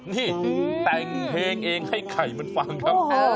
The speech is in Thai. นี่แต่งเพลงเองให้ไข่มันฟังครับ